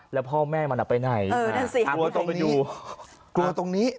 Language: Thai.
แล้วพ่อแม่มันอัพไปไหนเออนั่นสี่ห้าตัวตรงนี้ตัวตรงนี้